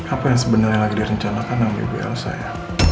apa yang sebenarnya lagi direncanakan sama ibu elsa ya